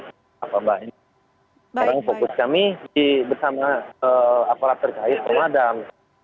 sekarang fokus kami bersama aparat terkait pemadam